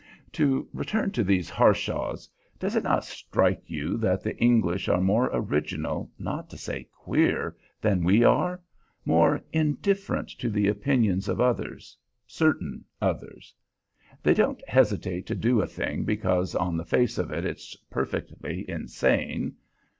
To return to these Harshaws. Does it not strike you that the English are more original, not to say queer, than we are; more indifferent to the opinions of others certain others? They don't hesitate to do a thing because on the face of it it's perfectly insane.